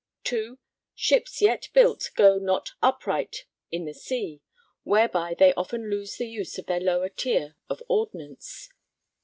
(2) Ships yet built go not upright in the sea, whereby they often lose the use of their lower tier of ordnance.